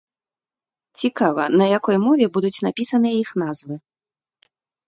Цікава, на якой мове будуць напісаныя іх назвы.